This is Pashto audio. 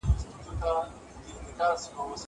زه هره ورځ سیر کوم!